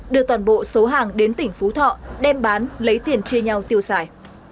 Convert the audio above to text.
đưa toàn bộ số hàng đến tỉnh phú thọ đem bán lấy tiền chia nhau tiêu xài